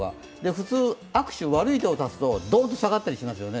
普通、悪い手を出すとドンと下がったりしますよね。